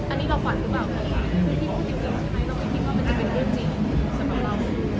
อันนี้เราฝันหรือเปล่า